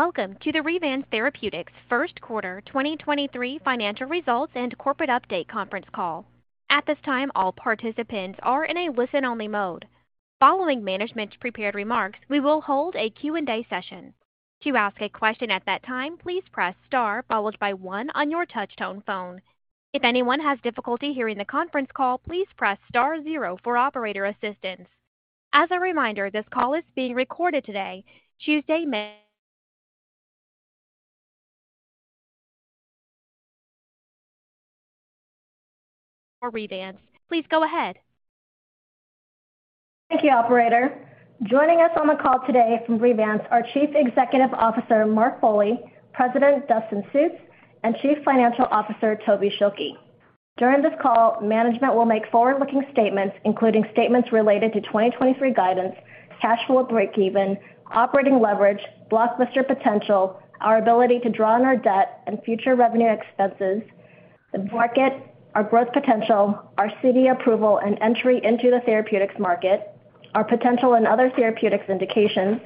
Welcome to the Revance Therapeutics First Quarter 2023 Financial Results and Corporate Update Conference Call. At this time, all participants are in a listen-only mode. Following management's prepared remarks, we will hold a Q&A session. To ask a question at that time, please press star followed by one on your touch-tone phone. If anyone has difficulty hearing the conference call, please press star zero for operator assistance. As a reminder, this call is being recorded today, Tuesday, May... For Revance. Please go ahead. Thank you, operator. Joining us on the call today from Revance are Chief Executive Officer, Mark Foley, President, Dustin Sjuts, and Chief Financial Officer, Toby Schilke. During this call, management will make forward-looking statements, including statements related to 2023 guidance, cash flow breakeven, operating leverage, blockbuster potential, our ability to draw on our debt and future revenue expenses, the market, our growth potential, our CD approval and entry into the therapeutics market, our potential in other therapeutics indications,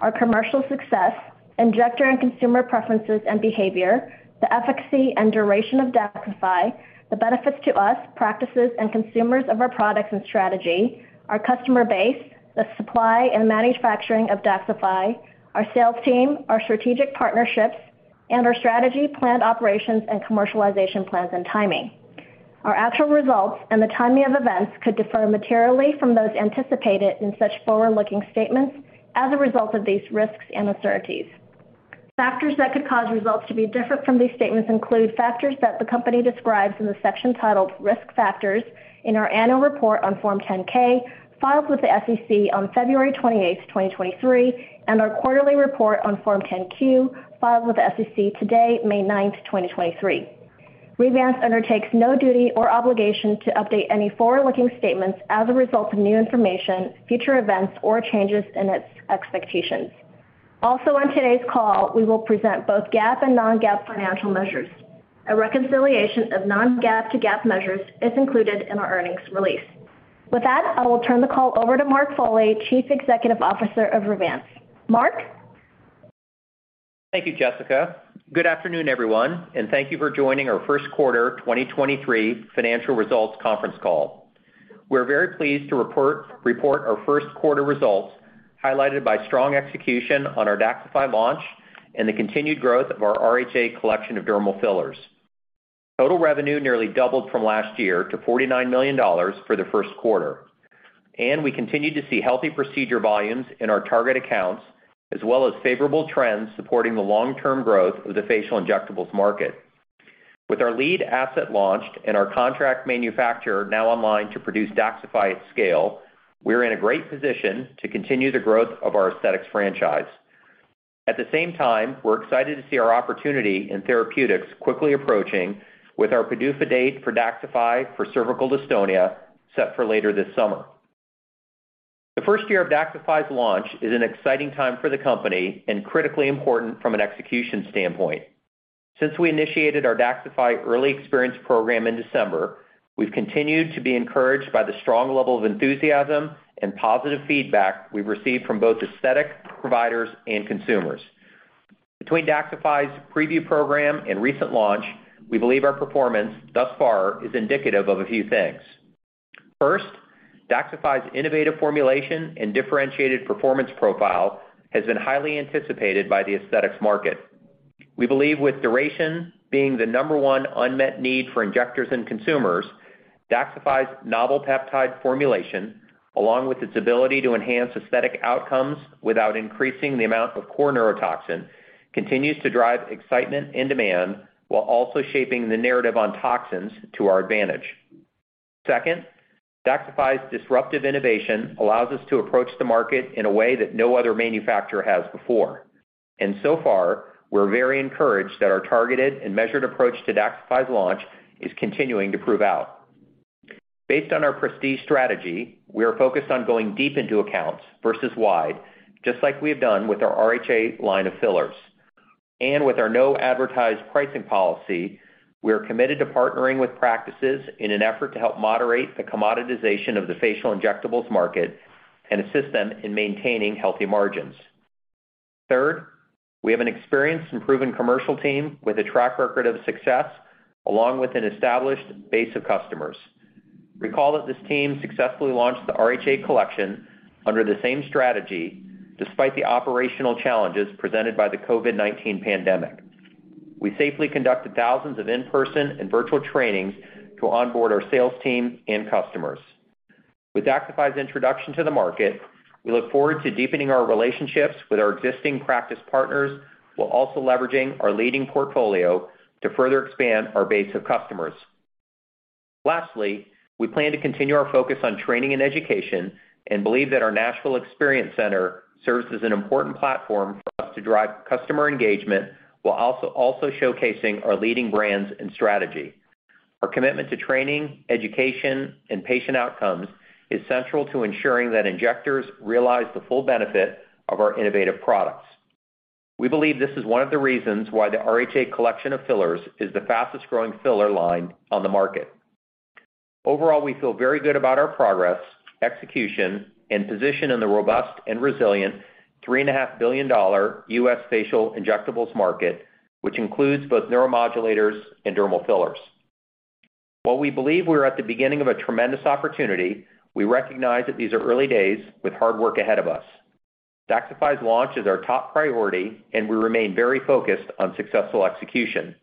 our commercial success, injector and consumer preferences and behavior, the efficacy and duration of DAXXIFY, the benefits to us, practices, and consumers of our products and strategy, our customer base, the supply and manufacturing of DAXXIFY, our sales team, our strategic partnerships, and our strategy, planned operations, and commercialization plans and timing. Our actual results and the timing of events could differ materially from those anticipated in such forward-looking statements as a result of these risks and uncertainties. Factors that could cause results to be different from these statements include factors that the company describes in the section titled Risk Factors in our annual report on Form 10-K, filed with the SEC on February 28th, 2023, and our quarterly report on Form 10-Q, filed with the SEC today, May 9th, 2023. Revance undertakes no duty or obligation to update any forward-looking statements as a result of new information, future events, or changes in its expectations. On today's call, we will present both GAAP and non-GAAP financial measures. A reconciliation of non-GAAP to GAAP measures is included in our earnings release. With that, I will turn the call over to Mark Foley, Chief Executive Officer of Revance. Mark? Thank you, Jessica. Good afternoon, everyone, and thank you for joining our first quarter 2023 financial results conference call. We're very pleased to report our first quarter results, highlighted by strong execution on our DAXXIFY launch and the continued growth of our RHA Collection of dermal fillers. Total revenue nearly doubled from last year to $49 million for the first quarter. We continued to see healthy procedure volumes in our target accounts, as well as favorable trends supporting the long-term growth of the facial injectables market. With our lead asset launched and our contract manufacturer now online to produce DAXXIFY at scale, we're in a great position to continue the growth of our aesthetics franchise. At the same time, we're excited to see our opportunity in therapeutics quickly approaching with our PDUFA date for DAXXIFY for cervical dystonia set for later this summer. The first year of DAXXIFY's launch is an exciting time for the company and critically important from an execution standpoint. Since we initiated our DAXXIFY Early Experience Program in December, we've continued to be encouraged by the strong level of enthusiasm and positive feedback we've received from both aesthetic providers and consumers. Between DAXXIFY's PrevU program and recent launch, we believe our performance thus far is indicative of a few things. First, DAXXIFY's innovative formulation and differentiated performance profile has been highly anticipated by the aesthetics market. We believe with duration being the number one unmet need for injectors and consumers, DAXXIFY's novel peptide formulation, along with its ability to enhance aesthetic outcomes without increasing the amount of core neurotoxin, continues to drive excitement and demand while also shaping the narrative on toxins to our advantage. Second, DAXXIFY's disruptive innovation allows us to approach the market in a way that no other manufacturer has before. So far, we're very encouraged that our targeted and measured approach to DAXXIFY's launch is continuing to prove out. Based on our prestige strategy, we are focused on going deep into accounts versus wide, just like we have done with our RHA Collection. With our no advertised pricing policy, we are committed to partnering with practices in an effort to help moderate the commoditization of the facial injectables market and assist them in maintaining healthy margins. Third, we have an experienced and proven commercial team with a track record of success, along with an established base of customers. Recall that this team successfully launched the RHA Collection under the same strategy, despite the operational challenges presented by the COVID-19 pandemic. We safely conducted thousands of in-person and virtual trainings to onboard our sales team and customers. With DAXXIFY's introduction to the market, we look forward to deepening our relationships with our existing practice partners while also leveraging our leading portfolio to further expand our base of customers. Lastly, we plan to continue our focus on training and education and believe that our Nashville Experience Center serves as an important platform for us to drive customer engagement while also showcasing our leading brands and strategy. Our commitment to training, education, and patient outcomes is central to ensuring that injectors realize the full benefit of our innovative products. We believe this is one of the reasons why the RHA Collection of fillers is the fastest-growing filler line on the market. Overall, we feel very good about our progress, execution, and position in the robust and resilient $3.5 billion US facial injectables market, which includes both neuromodulators and dermal fillers. While we believe we're at the beginning of a tremendous opportunity, we recognize that these are early days with hard work ahead of us. DAXXIFY's launch is our top priority, and we remain very focused on successful execution.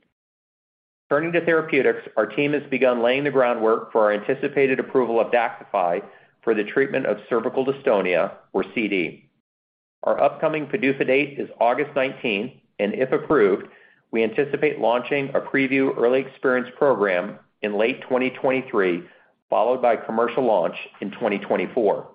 Turning to therapeutics, our team has begun laying the groundwork for our anticipated approval of DAXXIFY for the treatment of cervical dystonia, or CD. Our upcoming PDUFA date is August 19th, and if approved, we anticipate launching a preview early experience program in late 2023, followed by commercial launch in 2024.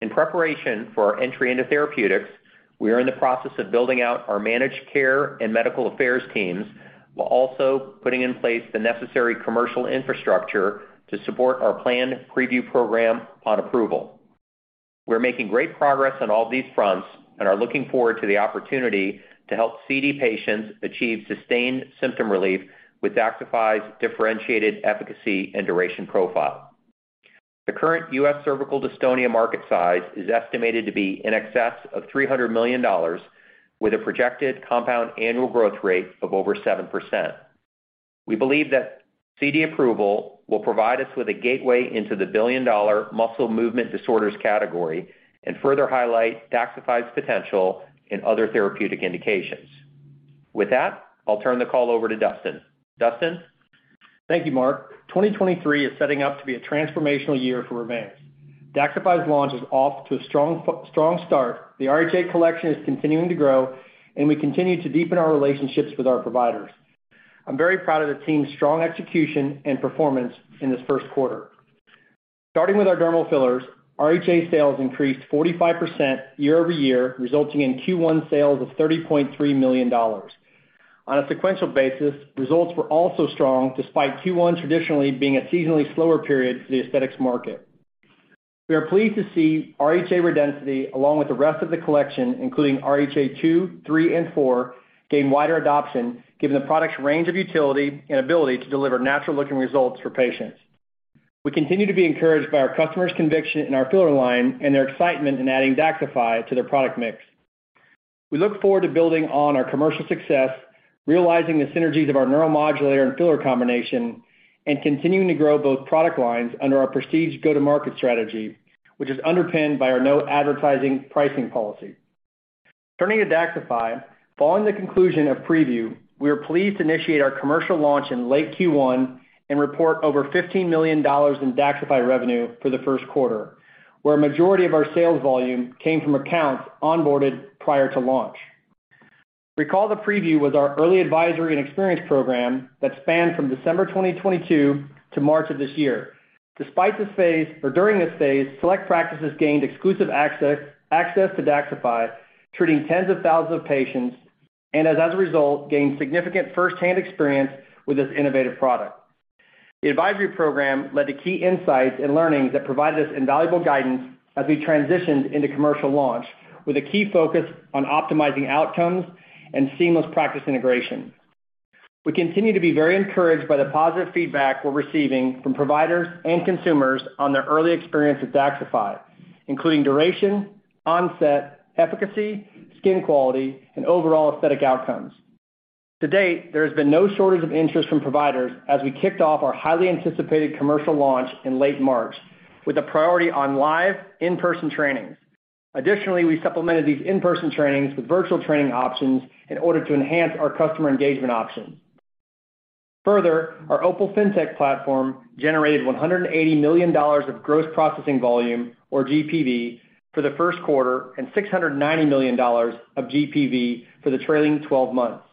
In preparation for our entry into therapeutics, we are in the process of building out our managed care and medical affairs teams while also putting in place the necessary commercial infrastructure to support our planned preview program on approval. We're making great progress on all these fronts and are looking forward to the opportunity to help CD patients achieve sustained symptom relief with DAXXIFY's differentiated efficacy and duration profile. The current US cervical dystonia market size is estimated to be in excess of $300 million, with a projected compound annual growth rate of over 7%. We believe that CD approval will provide us with a gateway into the billion-dollar muscle movement disorders category and further highlight DAXXIFY's potential in other therapeutic indications. With that, I'll turn the call over to Dustin. Dustin? Thank you, Mark. 2023 is setting up to be a transformational year for Revance. DAXXIFY's launch is off to a strong start. The RHA Collection is continuing to grow, and we continue to deepen our relationships with our providers. I'm very proud of the team's strong execution and performance in this first quarter. Starting with our dermal fillers, RHA sales increased 45% year-over-year, resulting in Q1 sales of $30.3 million. On a sequential basis, results were also strong despite Q1 traditionally being a seasonally slower period for the aesthetics market. We are pleased to see RHA Redensity, along with the rest of the collection, including RHA 2, RHA 3, and RHA 4, gain wider adoption given the product's range of utility and ability to deliver natural-looking results for patients. We continue to be encouraged by our customers' conviction in our filler line and their excitement in adding DAXXIFY to their product mix. We look forward to building on our commercial success, realizing the synergies of our neuromodulator and filler combination, and continuing to grow both product lines under our prestige go-to-market strategy, which is underpinned by our no advertising pricing policy. Turning to DAXXIFY, following the conclusion of preview, we are pleased to initiate our commercial launch in late Q1 and report over $15 million in DAXXIFY revenue for the first quarter, where a majority of our sales volume came from accounts onboarded prior to launch. Recall the preview was our early advisory and experience program that spanned from December 2022 to March of this year. During this phase, select practices gained exclusive access to DAXXIFY, treating tens of thousands of patients, and as a result, gained significant first-hand experience with this innovative product. The advisory program led to key insights and learnings that provided us invaluable guidance as we transitioned into commercial launch, with a key focus on optimizing outcomes and seamless practice integration. We continue to be very encouraged by the positive feedback we're receiving from providers and consumers on their early experience with DAXXIFY, including duration, onset, efficacy, skin quality, and overall aesthetic outcomes. To date, there has been no shortage of interest from providers as we kicked off our highly anticipated commercial launch in late March with a priority on live in-person trainings. We supplemented these in-person trainings with virtual training options in order to enhance our customer engagement options. Our OPUL fintech platform generated $180 million of gross processing volume, or GPV, for the first quarter and $690 million of GPV for the trailing 12 months.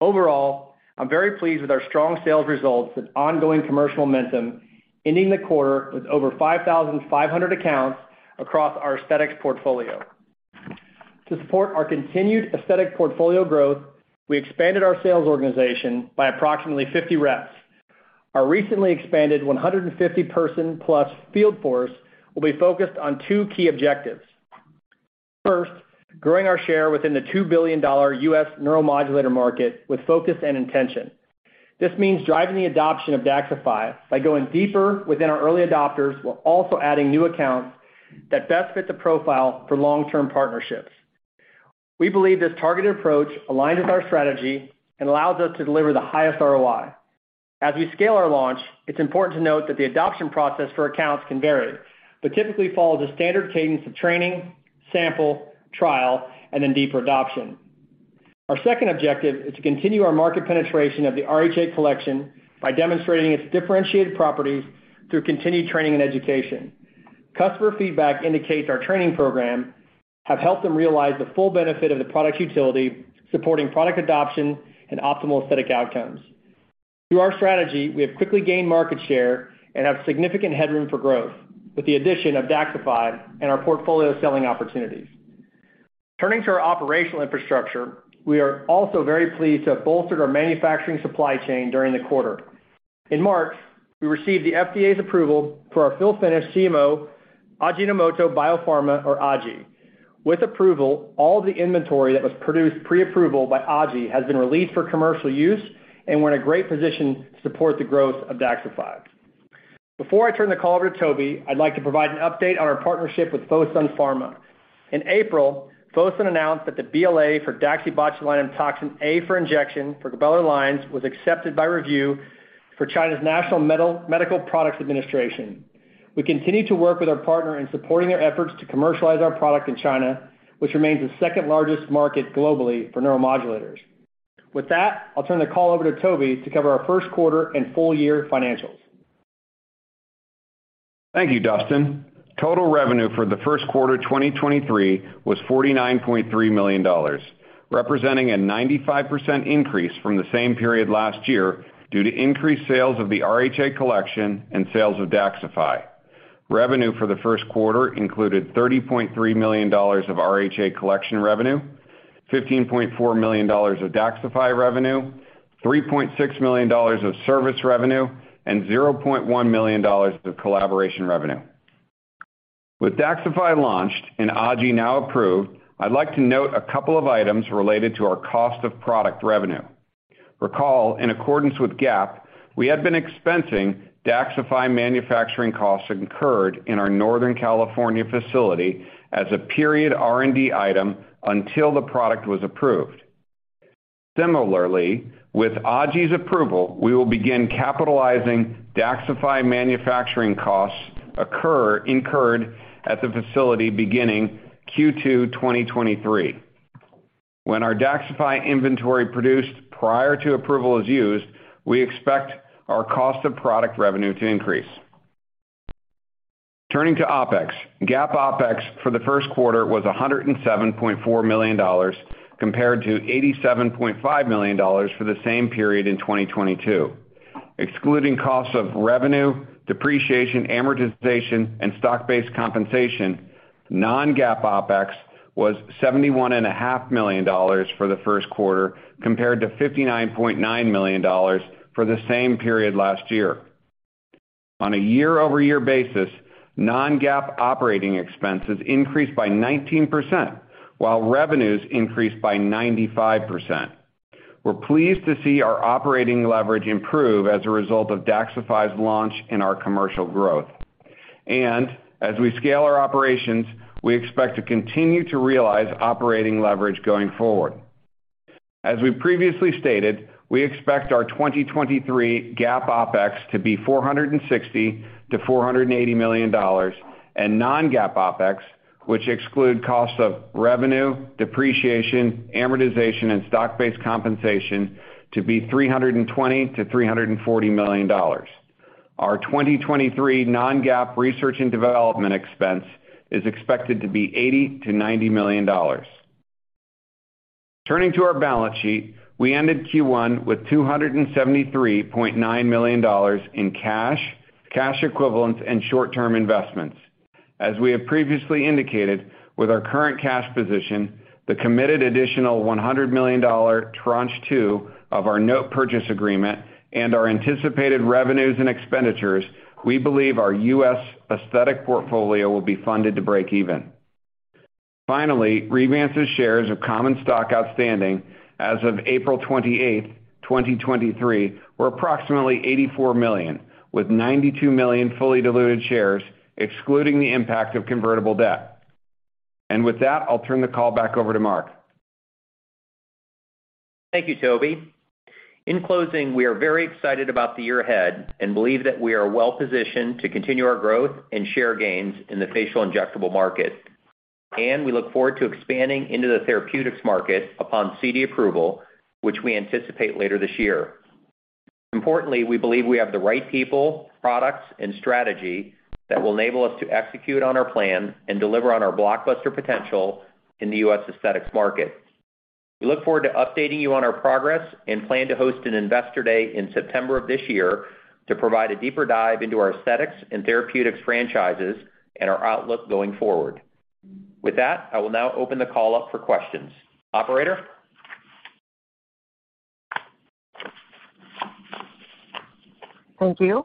Overall, I'm very pleased with our strong sales results and ongoing commercial momentum, ending the quarter with over 5,500 accounts across our aesthetics portfolio. To support our continued aesthetic portfolio growth, we expanded our sales organization by approximately 50 reps. Our recently expanded 150-person plus field force will be focused on two key objectives. First, growing our share within the $2 billion US neuromodulator market with focus and intention. This means driving the adoption of DAXXIFY by going deeper within our early adopters while also adding new accounts that best fit the profile for long-term partnerships. We believe this targeted approach aligns with our strategy and allows us to deliver the highest ROI. As we scale our launch, it's important to note that the adoption process for accounts can vary, but typically follows a standard cadence of training, sample, trial, and then deeper adoption. Our second objective is to continue our market penetration of the RHA Collection by demonstrating its differentiated properties through continued training and education. Customer feedback indicates our training program have helped them realize the full benefit of the product's utility, supporting product adoption and optimal aesthetic outcomes. Through our strategy, we have quickly gained market share and have significant headroom for growth with the addition of DAXXIFY and our portfolio selling opportunities. Turning to our operational infrastructure, we are also very pleased to have bolstered our manufacturing supply chain during the quarter. In March, we received the FDA's approval for our fill-finish CMO.Ajinomoto Bio-Pharma or AJI. With approval, all the inventory that was produced pre-approval by AJI has been released for commercial use, and we're in a great position to support the growth of DAXXIFY. Before I turn the call over to Toby, I'd like to provide an update on our partnership with Fosun Pharma. In April, Fosun Pharma announced that the BLA for DaxibotulinumtoxinA for injection for glabellar lines was accepted by review for China's National Medical Products Administration. We continue to work with our partner in supporting their efforts to commercialize our product in China, which remains the second-largest market globally for neuromodulators. With that, I'll turn the call over to Toby to cover our first quarter and full year financials. Thank you, Dustin. Total revenue for the first quarter 2023 was $49.3 million, representing a 95% increase from the same period last year due to increased sales of the RHA Collection and sales of DAXXIFY. Revenue for the first quarter included $30.3 million of RHA Collection revenue, $15.4 million of DAXXIFY revenue, $3.6 million of service revenue, and $0.1 million of collaboration revenue. With DAXXIFY launched and AJI now approved, I'd like to note a couple of items related to our cost of product revenue. Recall, in accordance with GAAP, we had been expensing DAXXIFY manufacturing costs incurred in our Northern California facility as a period R&D item until the product was approved. Similarly, with AJI's approval, we will begin capitalizing DAXXIFY manufacturing costs incurred at the facility beginning Q2 2023. When our DAXXIFY inventory produced prior to approval is used, we expect our cost of product revenue to increase. Turning to OpEx. GAAP OpEx for the first quarter was $107.4 million compared to $87.5 million for the same period in 2022. Excluding costs of revenue, depreciation, amortization, and stock-based compensation, non-GAAP OpEx was seventy-one and a half million dollars for the first quarter compared to $59.9 million for the same period last year. On a year-over-year basis, non-GAAP operating expenses increased by 19%, while revenues increased by 95%. We're pleased to see our operating leverage improve as a result of DAXXIFY's launch and our commercial growth. As we scale our operations, we expect to continue to realize operating leverage going forward. As we previously stated, we expect our 2023 GAAP OpEx to be $460 million-$480 million and non-GAAP OpEx, which exclude costs of revenue, depreciation, amortization, and stock-based compensation, to be $320 million-$340 million. Our 2023 non-GAAP research and development expense is expected to be $80 million-$90 million. Turning to our balance sheet, we ended Q1 with $273.9 million in cash equivalents and short-term investments. As we have previously indicated, with our current cash position, the committed additional $100 million tranche 2 of our Note Purchase Agreement and our anticipated revenues and expenditures, we believe our US aesthetic portfolio will be funded to break even. Revance's shares of common stock outstanding as of April 28th, 2023, were approximately 84 million, with 92 million fully diluted shares, excluding the impact of convertible debt. With that, I'll turn the call back over to Mark. Thank you, Toby. In closing, we are very excited about the year ahead and believe that we are well-positioned to continue our growth and share gains in the facial injectable market. We look forward to expanding into the therapeutics market upon CD approval, which we anticipate later this year. Importantly, we believe we have the right people, products, and strategy that will enable us to execute on our plan and deliver on our blockbuster potential in The U.S. aesthetics market. We look forward to updating you on our progress and plan to host an Investor Day in September of this year to provide a deeper dive into our aesthetics and therapeutics franchises and our outlook going forward. With that, I will now open the call up for questions. Operator? Thank you.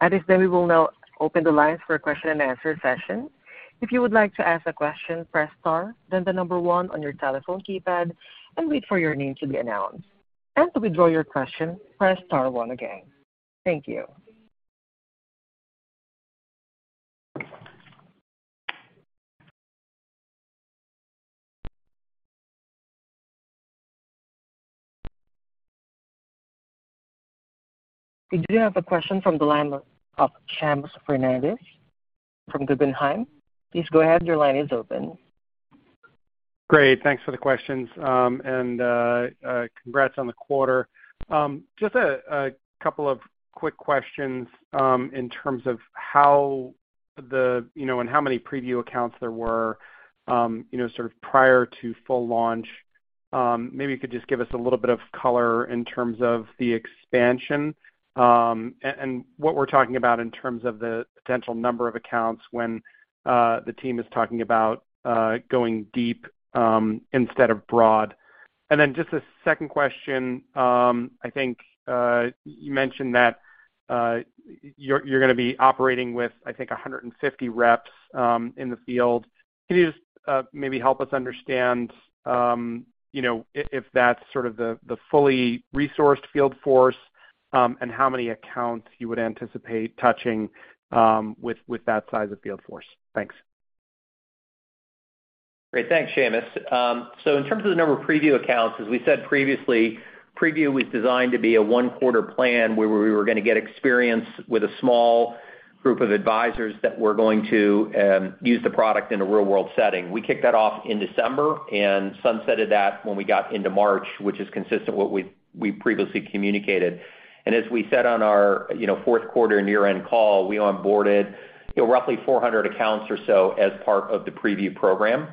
At this time, we will now open the lines for a question-and-answer session. If you would like to ask a question, press star, then 1 on your telephone keypad and wait for your name to be announced. To withdraw your question, press star one again. Thank you. We do have a question from the line of Seamus Fernandez from Guggenheim. Please go ahead. Your line is open. Great. Thanks for the questions, and congrats on the quarter. Just a couple of quick questions, in terms of how many PrevU accounts there were, you know, sort of prior to full launch. Maybe you could just give us a little bit of color in terms of the expansion, and what we're talking about in terms of the potential number of accounts when the team is talking about going deep instead of broad. Just a second question. I think you mentioned that you're gonna be operating with, I think, 150 reps in the field. Can you just, maybe help us understand, you know, if that's sort of the fully resourced field force, and how many accounts you would anticipate touching, with that size of field force? Thanks. Great. Thanks, Seamus. In terms of the number of PrevU accounts, as we said previously, PrevU was designed to be a one-quarter plan where we were gonna get experience with a small group of advisors that were going to use the product in a real-world setting. We kicked that off in December and sunsetted that when we got into March, which is consistent what we previously communicated. As we said on our, you know, fourth quarter and year-end call, we onboarded, you know, roughly 400 accounts or so as part of the PrevU program.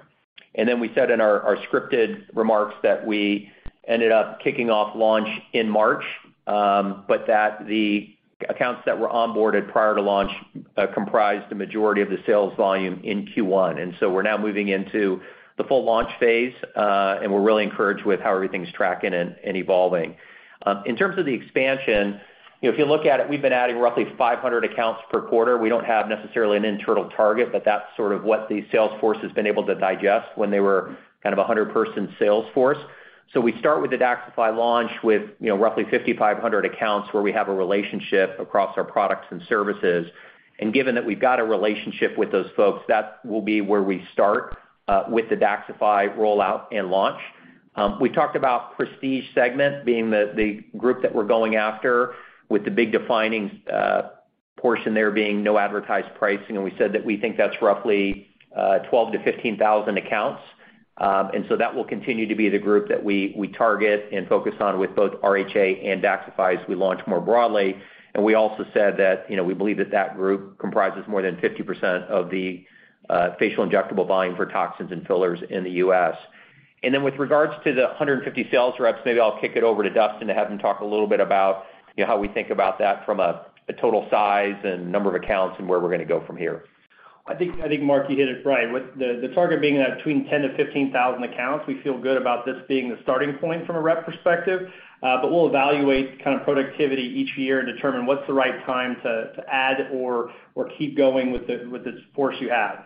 We said in our scripted remarks that we ended up kicking off launch in March, but that the accounts that were onboarded prior to launch comprised the majority of the sales volume in Q1. We're now moving into the full launch phase, and we're really encouraged with how everything's tracking and evolving. In terms of the expansion, you know, if you look at it, we've been adding roughly 500 accounts per quarter. We don't have necessarily an internal target, but that's sort of what the sales force has been able to digest when they were kind of a 100-person sales force. We start with the DAXXIFY launch with, you know, roughly 5,500 accounts where we have a relationship across our products and services. Given that we've got a relationship with those folks, that will be where we start with the DAXXIFY rollout and launch. We talked about prestige segment being the group that we're going after with the big defining portion there being no advertised pricing. We said that we think that's roughly 12,000 accounts-15,000 accounts. That will continue to be the group that we target and focus on with both RHA and DAXXIFY as we launch more broadly. We also said that, you know, we believe that that group comprises more than 50% of the facial injectable volume for toxins and fillers in the US. With regards to the 150 sales reps, maybe I'll kick it over to Dustin Sjuts to have him talk a little bit about, you know, how we think about that from a total size and number of accounts and where we're gonna go from here. I think Mark, you hit it right. With the target being between 10,000 accounts-15,000 accounts, we feel good about this being the starting point from a rep perspective. We'll evaluate kind of productivity each year and determine what's the right time to add or keep going with the force you have.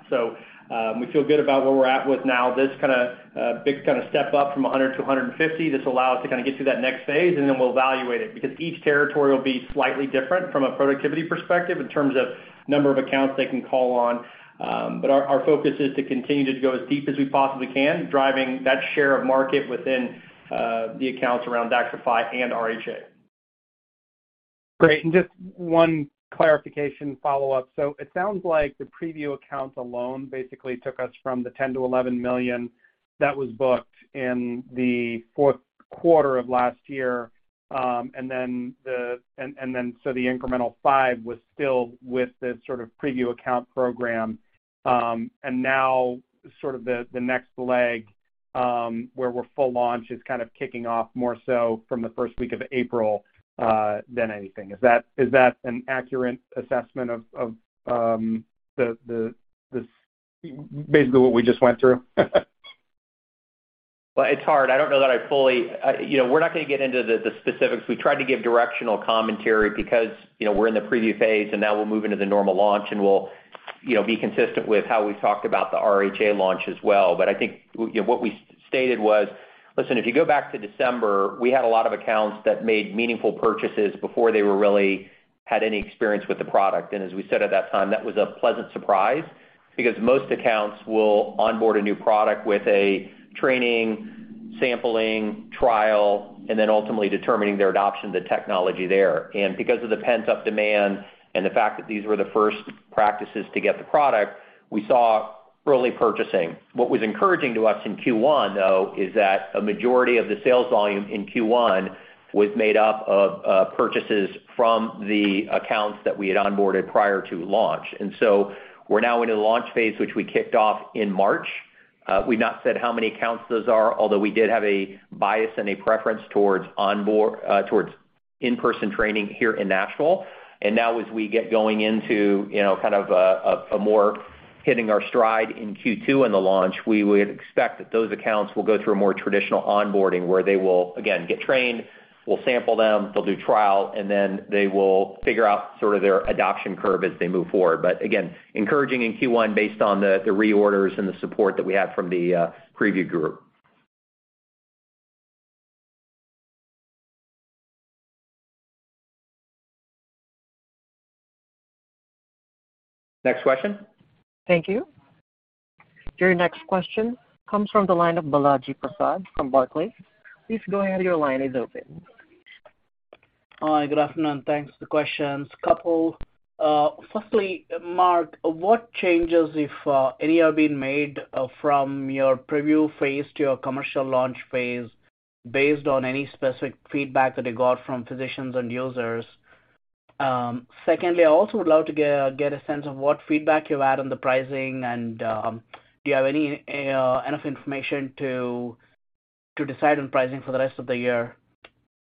We feel good about where we're at with now this kinda big kinda step up from 100-150. This will allow us to kinda get to that next phase, and then we'll evaluate it. Each territory will be slightly different from a productivity perspective in terms of number of accounts they can call on. Our, our focus is to continue to go as deep as we possibly can, driving that share of market within, the accounts around DAXXIFY and RHA. Great. Just one clarification follow-up. It sounds like the preview accounts alone basically took us from the $10 million-$11 million that was booked in the fourth quarter of last year, then so the incremental $5 million was filled with this sort of preview account program, Now sort of the next leg, where we're full launch is kind of kicking off more so from the first week of April than anything. Is that an accurate assessment of the basically what we just went through? It's hard. I don't know that I fully. You know, we're not gonna get into the specifics. We tried to give directional commentary because, you know, we're in the preview phase, and now we'll move into the normal launch, and we'll, you know, be consistent with how we've talked about the RHA launch as well. I think, you know, what we stated was, listen, if you go back to December, we had a lot of accounts that made meaningful purchases before they really had any experience with the product. As we said at that time, that was a pleasant surprise because most accounts will onboard a new product with a training, sampling, trial, and then ultimately determining their adoption of the technology there. Because of the pent-up demand and the fact that these were the first practices to get the product, we saw early purchasing. What was encouraging to us in Q1, though, is that a majority of the sales volume in Q1 was made up of purchases from the accounts that we had onboarded prior to launch. We're now into the launch phase, which we kicked off in March. We've not said how many accounts those are, although we did have a bias and a preference towards in-person training here in Nashville. Now as we get going into, you know, kind of a more hitting our stride in Q2 in the launch, we would expect that those accounts will go through a more traditional onboarding where they will again get trained, we'll sample them, they'll do trial, and then they will figure out sort of their adoption curve as they move forward. Again, encouraging in Q1 based on the reorders and the support that we have from the PrevU group. Next question. Thank you. Your next question comes from the line of Balaji Prasad from Barclays. Please go ahead, your line is open. Hi, good afternoon. Thanks. The questions, couple. Firstly, Mark, what changes, if any, have been made from your preview phase to your commercial launch phase based on any specific feedback that you got from physicians and users? Secondly, I also would love to get a sense of what feedback you had on the pricing and do you have any enough information to decide on pricing for the rest of the year?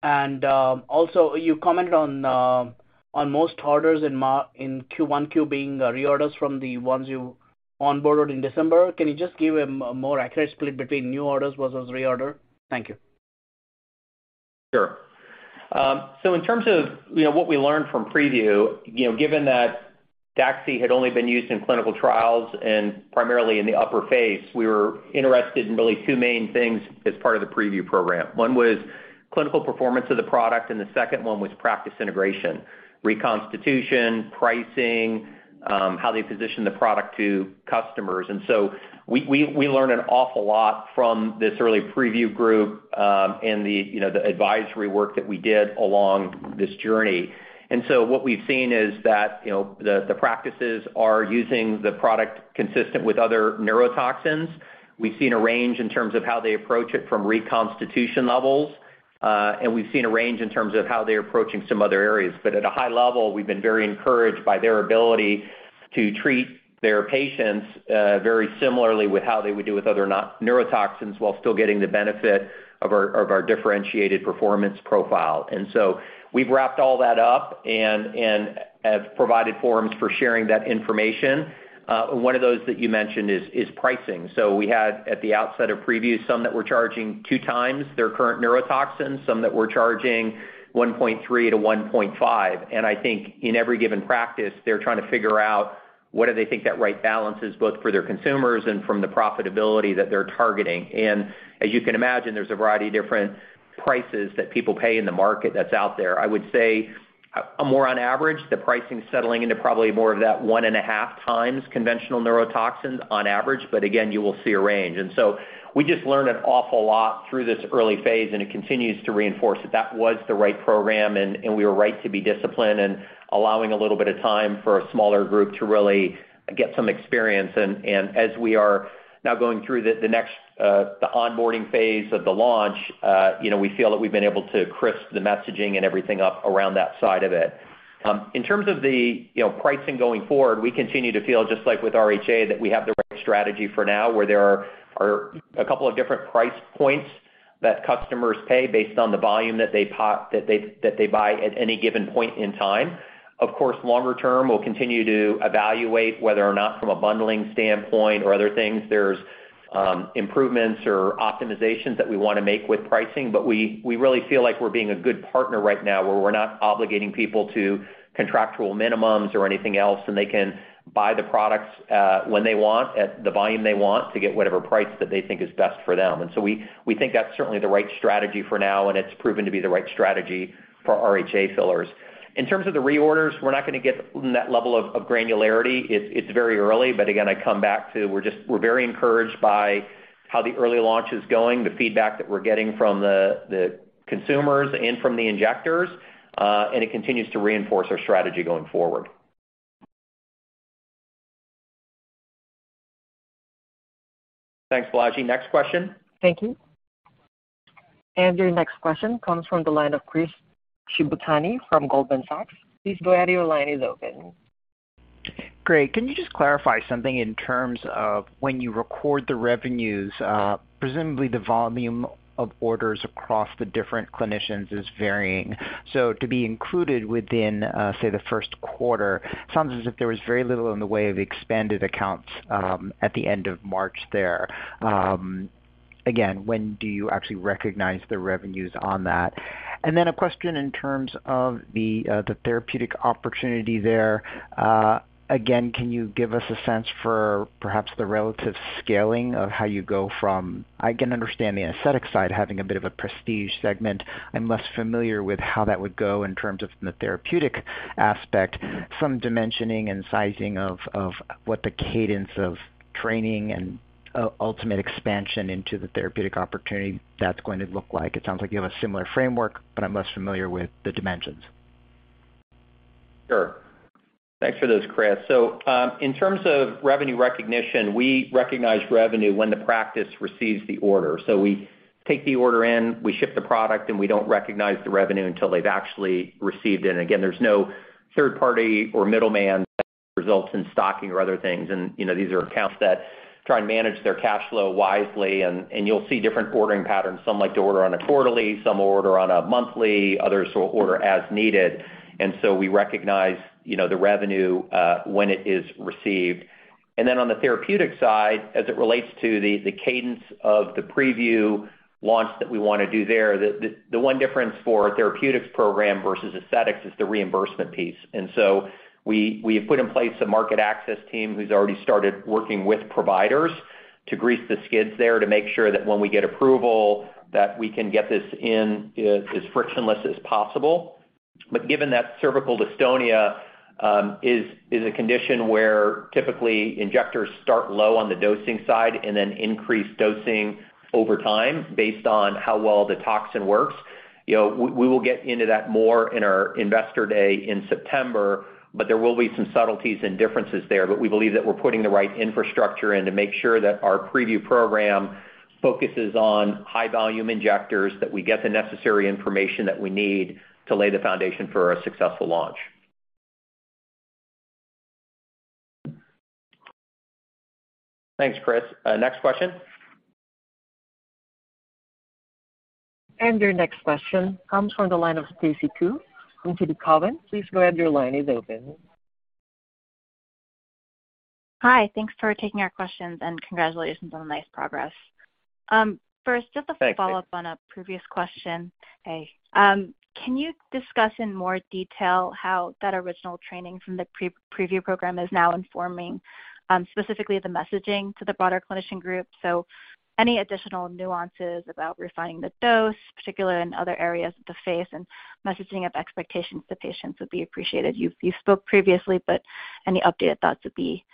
Also, you commented on most orders in Q1Q being reorders from the ones you onboarded in December. Can you just give a more accurate split between new orders versus reorder? Thank you. Sure. In terms of, you know, what we learned from PrevU, you know, given that DAXI had only been used in clinical trials and primarily in the upper face, we were interested in really two main things as part of the PrevU program. One was clinical performance of the product, and the second one was practice integration, reconstitution, pricing, how they position the product to customers. We learned an awful lot from this early PrevU group, and the, you know, the advisory work that we did along this journey. What we've seen is that, you know, the practices are using the product consistent with other neurotoxins. We've seen a range in terms of how they approach it from reconstitution levels, and we've seen a range in terms of how they're approaching some other areas. At a high level, we've been very encouraged by their ability to treat their patients, very similarly with how they would do with other neurotoxins, while still getting the benefit of our differentiated performance profile. We've wrapped all that up and have provided forums for sharing that information. One of those that you mentioned is pricing. We had, at the outset of PrevU, some that were charging two times their current neurotoxin, some that were charging 1.3 to 1.5. I think in every given practice, they're trying to figure out what do they think that right balance is, both for their consumers and from the profitability that they're targeting. As you can imagine, there's a variety of different prices that people pay in the market that's out there. I would say more on average, the pricing settling into probably more of that 1.5 times conventional neurotoxin on average. Again, you will see a range. We just learned an awful lot through this early phase, and it continues to reinforce that was the right program and we were right to be disciplined and allowing a little bit of time for a smaller group to really get some experience. As we are now going through the next, the onboarding phase of the launch, you know, we feel that we've been able to crisp the messaging and everything up around that side of it. In terms of the, you know, pricing going forward, we continue to feel just like with RHA, that we have the right strategy for now, where there are a couple of different price points that customers pay based on the volume that they buy at any given point in time. Of course, longer term, we'll continue to evaluate whether or not from a bundling standpoint or other things, there's improvements or optimizations that we wanna make with pricing. We really feel like we're being a good partner right now, where we're not obligating people to contractual minimums or anything else, and they can buy the products when they want at the volume they want to get whatever price that they think is best for them. We think that's certainly the right strategy for now, and it's proven to be the right strategy for RHA fillers. In terms of the reorders, we're not gonna get in that level of granularity. It's very early, but again, I come back to we're very encouraged by how the early launch is going, the feedback that we're getting from the consumers and from the injectors, and it continues to reinforce our strategy going forward. Thanks, Balaji. Next question. Thank you. Your next question comes from the line of Chris Shibutani from Goldman Sachs. Please go ahead, your line is open. Great. Can you just clarify something in terms of when you record the revenues, presumably the volume of orders across the different clinicians is varying. To be included within, say the first quarter, it sounds as if there was very little in the way of expanded accounts, at the end of March there. Again, when do you actually recognize the revenues on that? Then a question in terms of the therapeutic opportunity there. Again, can you give us a sense for perhaps the relative scaling of how you go from... I can understand the aesthetic side having a bit of a prestige segment. I'm less familiar with how that would go in terms of from the therapeutic aspect, some dimensioning and sizing of what the cadence of training and ultimate expansion into the therapeutic opportunity that's going to look like. It sounds like you have a similar framework, but I'm less familiar with the dimensions. Sure. Thanks for those, Chris. In terms of revenue recognition, we recognize revenue when the practice receives the order. We take the order in, we ship the product, and we don't recognize the revenue until they've actually received it. Again, there's no third party or middleman that results in stocking or other things. You know, these are accounts that try and manage their cash flow wisely and you'll see different ordering patterns. Some like to order on a quarterly, some will order on a monthly, others will order as needed. We recognize, you know, the revenue when it is received. On the therapeutic side, as it relates to the cadence of the preview launch that we wanna do there, the one difference for a therapeutics program versus aesthetics is the reimbursement piece. We have put in place a market access team who's already started working with providers to grease the skids there to make sure that when we get approval that we can get this in as frictionless as possible. Given that cervical dystonia is a condition where typically injectors start low on the dosing side and then increase dosing over time based on how well the toxin works, you know, we will get into that more in our Investor Day in September, but there will be some subtleties and differences there. We believe that we're putting the right infrastructure in to make sure that our PrevU program focuses on high volume injectors, that we get the necessary information that we need to lay the foundation for a successful launch. Thanks, Chris. Next question. Your next question comes from the line of Stacy Ku from Sidoti & Company. Please go ahead. Your line is open. Hi. Thanks for taking our questions. Congratulations on the nice progress. First, just to follow up. Thank you. on a previous question. Can you discuss in more detail how that original training from the PrevU program is now informing, specifically the messaging to the broader clinician group? Any additional nuances about refining the dose, particularly in other areas of the face, and messaging of expectations to patients would be appreciated. You spoke previously, but any updated thoughts would be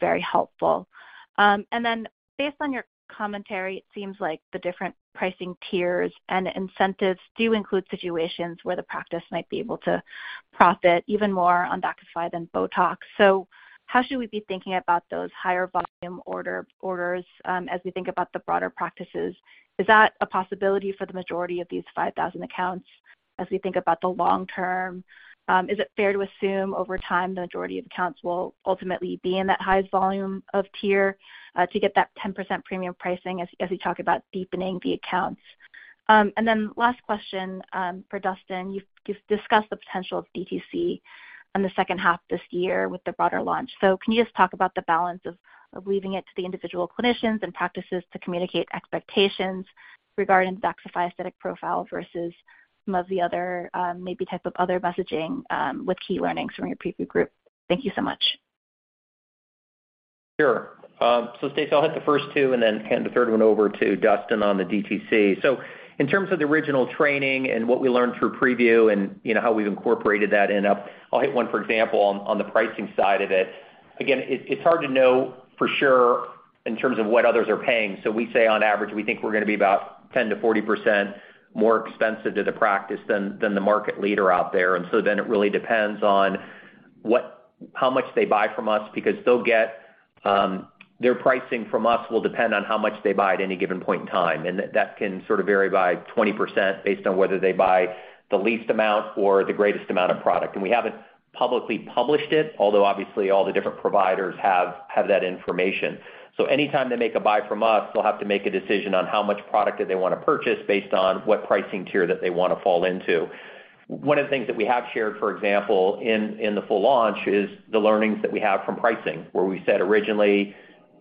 very helpful. Based on your commentary, it seems like the different pricing tiers and incentives do include situations where the practice might be able to profit even more on DAXXIFY than BOTOX. How should we be thinking about those higher volume orders, as we think about the broader practices? Is that a possibility for the majority of these 5,000 accounts as we think about the long term? Is it fair to assume over time the majority of accounts will ultimately be in that highest volume of tier to get that 10% premium pricing as we talk about deepening the accounts? Last question for Dustin. You've discussed the potential of DTC on the second half this year with the broader launch. Can you just talk about the balance of leaving it to the individual clinicians and practices to communicate expectations regarding DAXXIFY aesthetic profile versus some of the other maybe type of other messaging with key learnings from your preview group? Thank you so much. Sure. Stacy, I'll hit the first two and then hand the third one over to Dustin on the DTC. In terms of the original training and what we learned through PrevU and, you know, how we've incorporated that in up, I'll hit one, for example, on the pricing side of it. Again, it's hard to know for sure in terms of what others are paying. We say on average, we think we're gonna be about 10%-40% more expensive to the practice than the market leader out there. It really depends on how much they buy from us because they'll get their pricing from us will depend on how much they buy at any given point in time. That can sort of vary by 20% based on whether they buy the least amount or the greatest amount of product. We haven't publicly published it, although obviously all the different providers have that information. Anytime they make a buy from us, they'll have to make a decision on how much product that they wanna purchase based on what pricing tier that they wanna fall into. One of the things that we have shared, for example, in the full launch is the learnings that we have from pricing, where we said originally,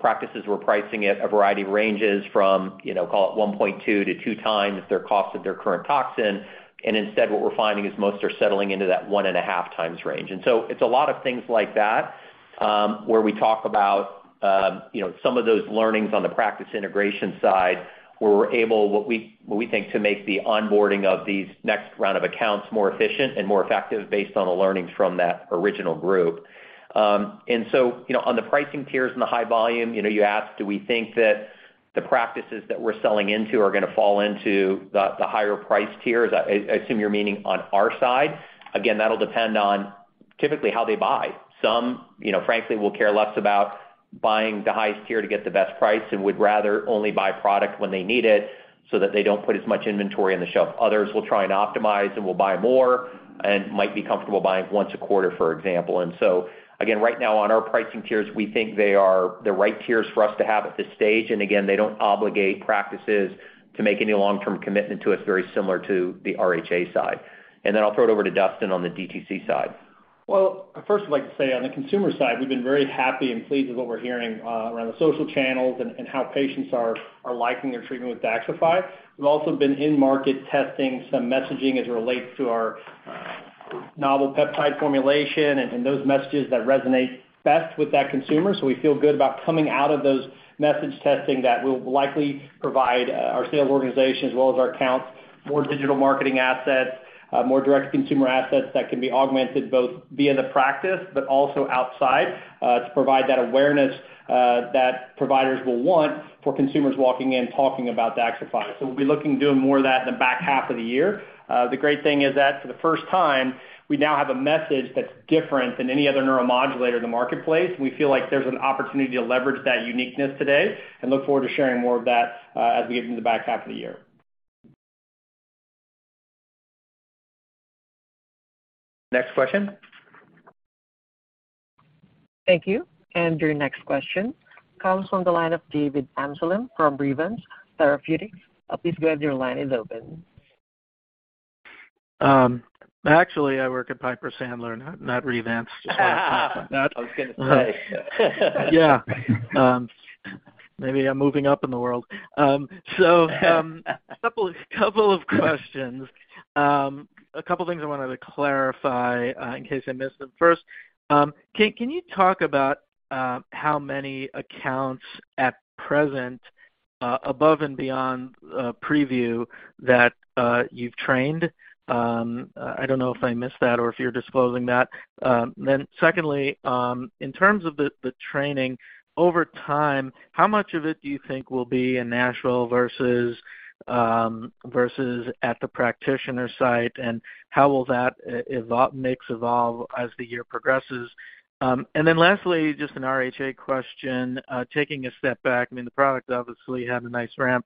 practices were pricing at a variety of ranges from, you know, call it 1.2-2 times their cost of their current toxin. Instead, what we're finding is most are settling into that 1.5 times range. It's a lot of things like that, where we talk about, you know, some of those learnings on the practice integration side, where we're able, what we think to make the onboarding of these next round of accounts more efficient and more effective based on the learnings from that original group. You know, on the pricing tiers and the high volume, you know, you asked, do we think that the practices that we're selling into are gonna fall into the higher priced tiers? I assume you're meaning on our side. Again, that'll depend on typically how they buy. Some, you know, frankly, will care less about buying the highest tier to get the best price and would rather only buy product when they need it so that they don't put as much inventory on the shelf. Others will try and optimize and will buy more and might be comfortable buying once a quarter, for example. Again, right now on our pricing tiers, we think they are the right tiers for us to have at this stage. Again, they don't obligate practices to make any long-term commitment to us, very similar to the RHA side. Then I'll throw it over to Dustin on the DTC side. Well, first I'd like to say on the consumer side, we've been very happy and pleased with what we're hearing, around the social channels and how patients are liking their treatment with DAXXIFY. We've also been in market testing some messaging as it relates to our, novel peptide formulation and those messages that resonate best with that consumer. We feel good about coming out of those message testing that will likely provide, our sales organization as well as our accounts, more digital marketing assets, more direct consumer assets that can be augmented both via the practice but also outside, to provide that awareness, that providers will want for consumers walking in talking about DAXXIFY. We'll be looking to do more of that in the back half of the year. The great thing is that for the first time, we now have a message that's different than any other neuromodulator in the marketplace. We feel like there's an opportunity to leverage that uniqueness today and look forward to sharing more of that, as we get into the back half of the year. Next question. Thank you. Your next question comes from the line of David Amsellem from Revance Therapeutics. Please go ahead, your line is open. Actually, I work at Piper Sandler, not Revance. I was gonna say. Maybe I'm moving up in the world. A couple of questions. A couple things I wanted to clarify in case I missed them. First, can you talk about how many accounts at present, above and beyond PrevU that you've trained? I don't know if I missed that or if you're disclosing that. Secondly, in terms of the training over time, how much of it do you think will be in Nashville versus at the practitioner site, and how will that mix evolve as the year progresses? Lastly, just an RHA question, taking a step back, I mean, the product obviously had a nice ramp.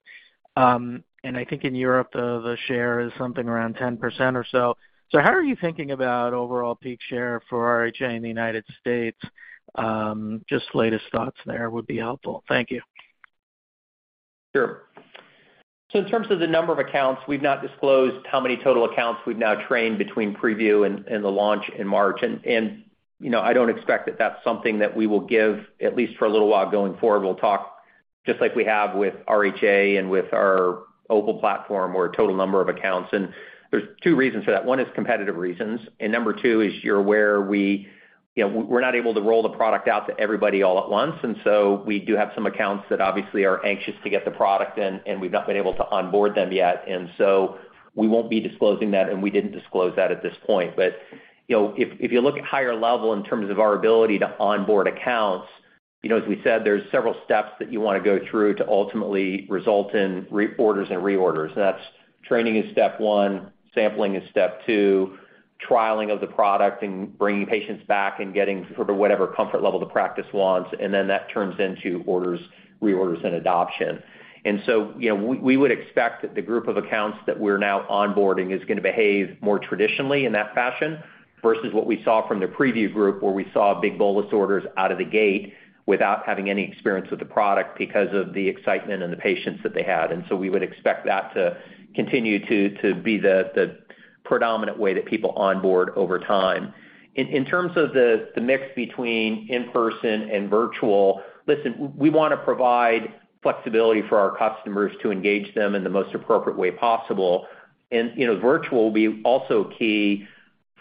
I think in Europe, the share is something around 10% or so. How are you thinking about overall peak share for RHA in the United States? Just latest thoughts there would be helpful. Thank you. Sure. In terms of the number of accounts, we've not disclosed how many total accounts we've now trained between PrevU and the launch in March. You know, I don't expect that that's something that we will give at least for a little while going forward. We'll talk just like we have with RHA and with our OPUL platform, our total number of accounts. There's two reasons for that. One is competitive reasons. Number two is you're aware, we, you know, we're not able to roll the product out to everybody all at once. We do have some accounts that obviously are anxious to get the product in, and we've not been able to onboard them yet. We won't be disclosing that, and we didn't disclose that at this point. You know, if you look at higher level in terms of our ability to onboard accounts, you know, as we said, there's several steps that you wanna go through to ultimately result in reorders and reorders. That's training is step one, sampling is step two, trialing of the product and bringing patients back and getting sort of whatever comfort level the practice wants. Then that turns into orders, reorders, and adoption. You know, we would expect that the group of accounts that we're now onboarding is gonna behave more traditionally in that fashion versus what we saw from the PrevU group, where we saw big bolus orders out of the gate without having any experience with the product because of the excitement and the patients that they had. We would expect that to continue to be the predominant way that people onboard over time. In terms of the mix between in-person and virtual, listen, we wanna provide flexibility for our customers to engage them in the most appropriate way possible. You know, virtual will be also key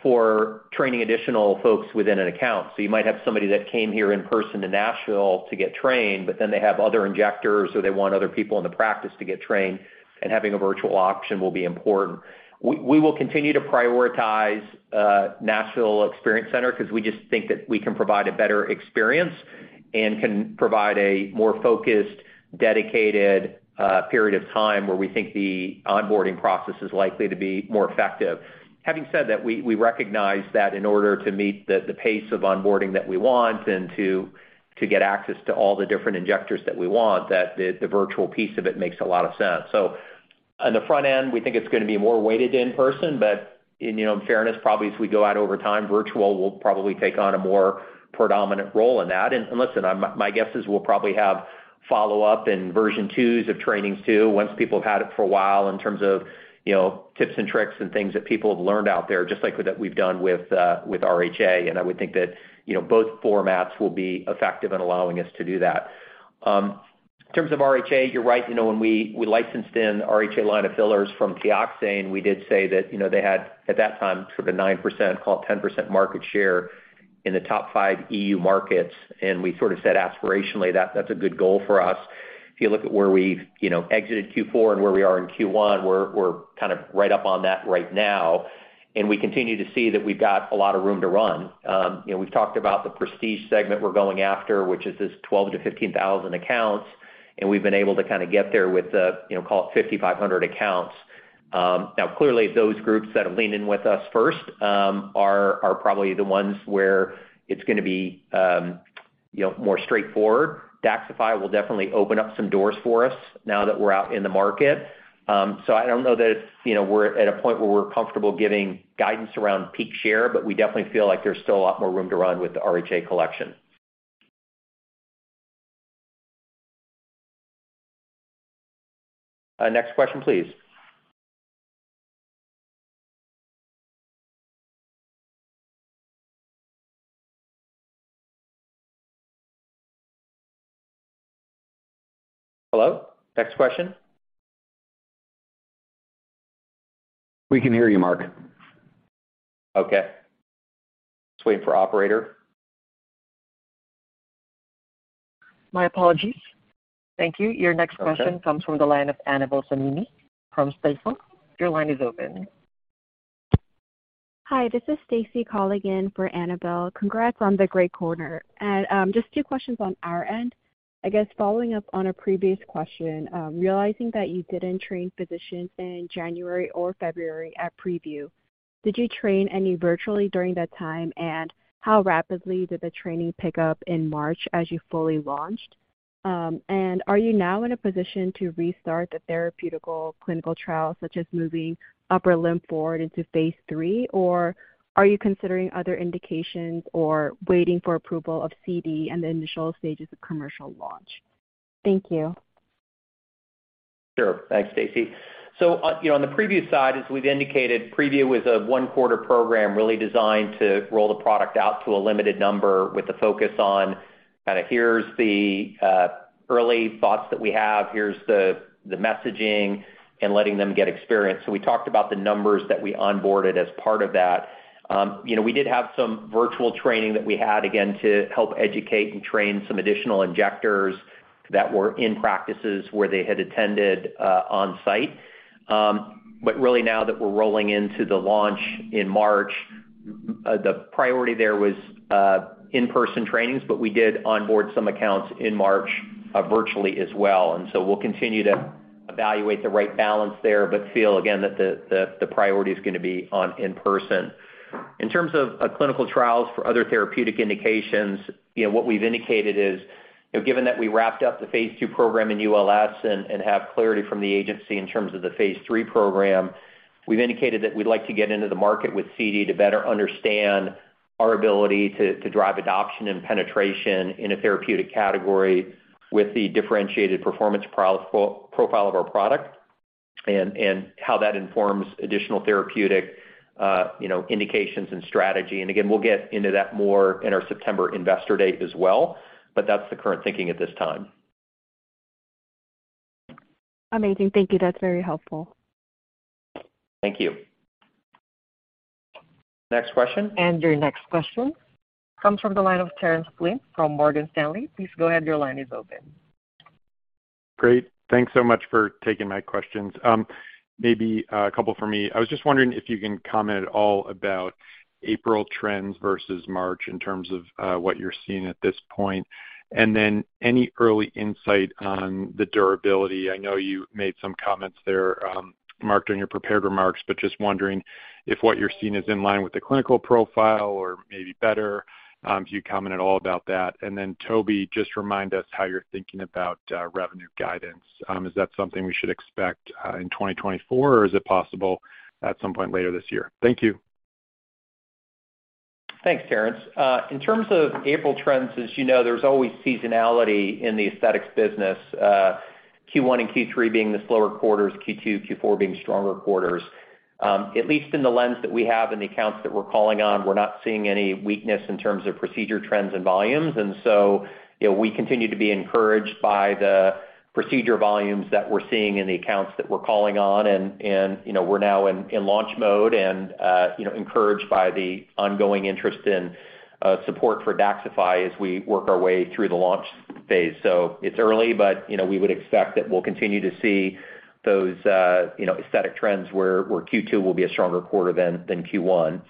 for training additional folks within an account. You might have somebody that came here in person to Nashville to get trained, they have other injectors, or they want other people in the practice to get trained, having a virtual option will be important. We will continue to prioritize Nashville Experience Center because we just think that we can provide a better experience and can provide a more focused, dedicated period of time where we think the onboarding process is likely to be more effective. Having said that, we recognize that in order to meet the pace of onboarding that we want and to get access to all the different injectors that we want, that the virtual piece of it makes a lot of sense. On the front end, we think it's gonna be more weighted in person, but in, you know, in fairness, probably as we go out over time, virtual will probably take on a more predominant role in that. Listen, my guess is we'll probably have follow-up and version 2s of trainings too once people have had it for a while in terms of, you know, tips and tricks and things that people have learned out there, just like that we've done with RHA. I would think that, you know, both formats will be effective in allowing us to do that. In terms of RHA, you're right. You know, when we licensed in RHA line of fillers from Teoxane, we did say that, you know, they had, at that time, sort of 9%, call it 10% market share in the top five EU markets. We sort of said aspirationally, that's a good goal for us. If you look at where we've, you know, exited Q4 and where we are in Q1, we're kind of right up on that right now, and we continue to see that we've got a lot of room to run. You know, we've talked about the prestige segment we're going after, which is this 12,000 accounts-15,000 accounts, and we've been able to kinda get there with, you know, call it 5,500 accounts. Now clearly those groups that have leaned in with us first, are probably the ones where it's gonna be, you know, more straightforward. DAXXIFY will definitely open up some doors for us now that we're out in the market. I don't know that it's, you know, we're at a point where we're comfortable giving guidance around peak share, but we definitely feel like there's still a lot more room to run with the RHA Collection. Next question, please. Hello? Next question? We can hear you, Mark. Okay. Just waiting for operator. My apologies. Thank you. Okay. Your next question comes from the line of Annabel Samimy from Stifel. Your line is open. Hi, this is Stacy calling in for Annabel. Congrats on the great quarter. Just two questions on our end. I guess following up on a previous question, realizing that you didn't train physicians in January or February at PrevU, did you train any virtually during that time? How rapidly did the training pick up in March as you fully launched? Are you now in a position to restart the therapeutical clinical trials, such as moving upper limb forward into phase III, or are you considering other indications or waiting for approval of CD in the initial stages of commercial launch? Thank you. Sure. Thanks, Stacy. You know, on the PrevU side, as we've indicated, PrevU was a one-quarter program really designed to roll the product out to a limited number with a focus on kind of here's the early thoughts that we have, here's the messaging and letting them get experience. We talked about the numbers that we onboarded as part of that. You know, we did have some virtual training that we had, again, to help educate and train some additional injectors that were in practices where they had attended on site. Really now that we're rolling into the launch in March, the priority there was in-person trainings, but we did onboard some accounts in March virtually as well. We'll continue to evaluate the right balance there, but feel again that the priority is gonna be on in-person. In terms of clinical trials for other therapeutic indications, you know, what we've indicated is, you know, given that we wrapped up the phase II program in ULS and have clarity from the agency in terms of the phase III program, we've indicated that we'd like to get into the market with CD to better understand our ability to drive adoption and penetration in a therapeutic category with the differentiated performance profile of our product and how that informs additional therapeutic, you know, indications and strategy. We'll get into that more in our September investor date as well, but that's the current thinking at this time. Amazing. Thank you. That's very helpful. Thank you. Next question. Your next question comes from the line of Terence Flynn from Morgan Stanley. Please go ahead. Your line is open. Great. Thanks so much for taking my questions. Maybe a couple for me. I was just wondering if you can comment at all about April trends versus March in terms of what you're seeing at this point, and then any early insight on the durability. I know you made some comments there, Mark, during your prepared remarks, but just wondering if what you're seeing is in line with the clinical profile or maybe better, if you'd comment at all about that. Toby, just remind us how you're thinking about revenue guidance. Is that something we should expect in 2024, or is it possible at some point later this year? Thank you. Thanks, Terence. In terms of April trends, as you know, there's always seasonality in the aesthetics business. Q1 and Q3 being the slower quarters, Q2, Q4 being stronger quarters. At least in the lens that we have and the accounts that we're calling on, we're not seeing any weakness in terms of procedure trends and volumes, you know, we continue to be encouraged by the procedure volumes that we're seeing in the accounts that we're calling on. You know, we're now in launch mode and, you know, encouraged by the ongoing interest in support for DAXXIFY as we work our way through the launch phase. It's early, but you know, we would expect that we'll continue to see those, you know, aesthetic trends where Q2 will be a stronger quarter than Q1.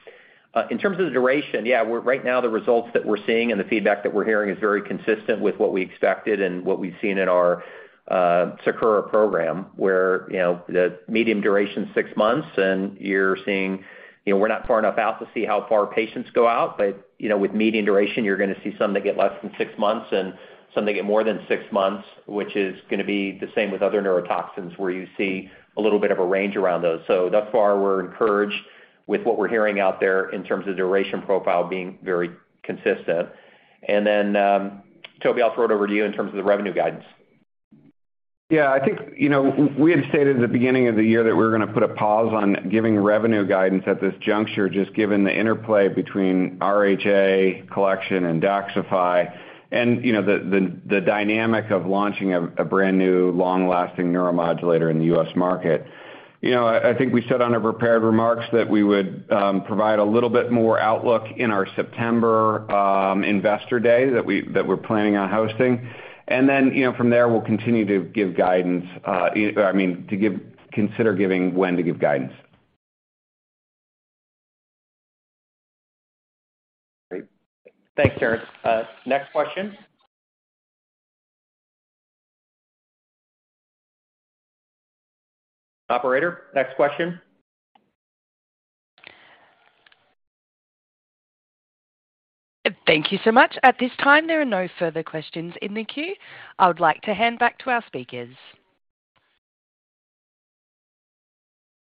In terms of the duration, yeah, right now, the results that we're seeing and the feedback that we're hearing is very consistent with what we expected and what we've seen in our SAKURA program, where, you know, the medium duration's six months and you're seeing... You know, we're not far enough out to see how far patients go out, but you know, with medium duration you're gonna see some that get less than six months and some that get more than six months, which is gonna be the same with other neurotoxins, where you see a little bit of a range around those. Thus far, we're encouraged with what we're hearing out there in terms of duration profile being very consistent. Toby, I'll throw it over to you in terms of the revenue guidance. Yeah, I think, you know, we had stated at the beginning of the year that we're gonna put a pause on giving revenue guidance at this juncture, just given the interplay between RHA Collection and DAXXIFY and, you know, the dynamic of launching a brand new long-lasting neuromodulator in The U.S. market. You know, I think we said on our prepared remarks that we would provide a little bit more outlook in our September investor day that we're planning on hosting. From there, you know, we'll continue to give guidance, or, I mean, consider giving when to give guidance. Great. Thanks, Terence. Next question. Operator, next question. Thank you so much. At this time, there are no further questions in the queue. I would like to hand back to our speakers.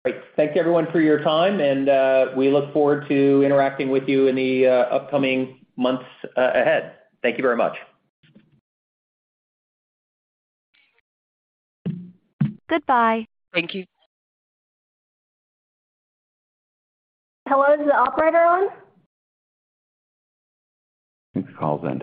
Great. Thank you everyone for your time and we look forward to interacting with you in the upcoming months ahead. Thank you very much. Goodbye. Thank you. Hello, is the operator on? Next call's ended.